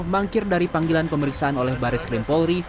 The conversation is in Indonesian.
mangkir dari panggilan pemeriksaan oleh baris krimpolri